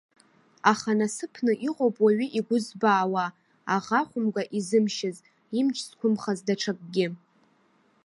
Аха, насыԥны, иҟоуп уаҩы игәы збаауа, аӷа хәымга изымшьыз, имч зқәымхаз даҽакгьы.